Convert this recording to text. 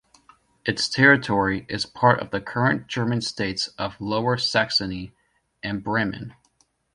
Its territory is part of the current German states of Lower Saxony and Bremen.